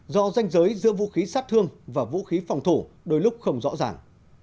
do danh giới giữa vũ khí sát thương và vũ khí phòng thủ đôi lúc không rõ ràng